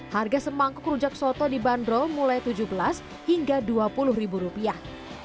harga sebangkuk rujak soto di bandro mulai tujuh belas hingga dua puluh ribu rupiah